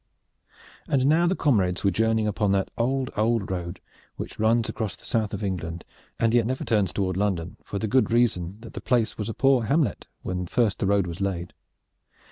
And now the comrades were journeying upon that old, old road which runs across the south of England and yet never turns toward London, for the good reason that the place was a poor hamlet when first the road was laid.